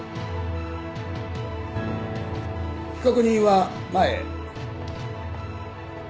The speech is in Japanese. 被告人は前へ。